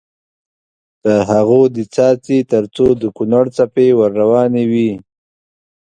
تر هغو دې څاڅي تر څو د کونړ څپې ور روانې وي.